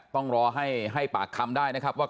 ต้องรอให้ปากคำได้นะครับว่า